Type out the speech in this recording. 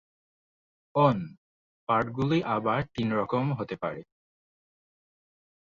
ওন্-পাঠগুলি আবার তিন রকম হতে পারে।